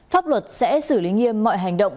pháp luật sẽ xử lý nghiêm mọi hành động